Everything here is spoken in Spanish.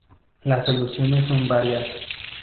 Las soluciones son varias.